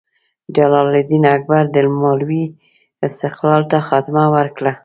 جلال الدین اکبر د مالوې استقلال ته خاتمه ورکړه.